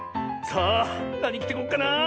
さあなにきてこっかなあ。